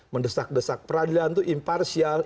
mendesak desak peradilan itu imparsial